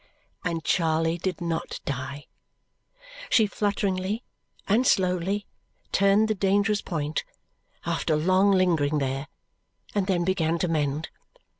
And Charley did not die. She flutteringly and slowly turned the dangerous point, after long lingering there, and then began to mend.